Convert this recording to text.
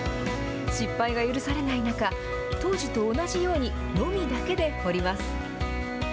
失敗が許されない中当時と同じようにのみだけで彫ります。